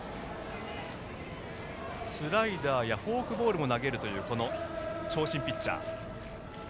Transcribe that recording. スライダーやフォークボールも投げるというこの長身ピッチャー。